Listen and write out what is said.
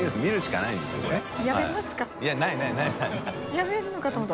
やめるのかと思った。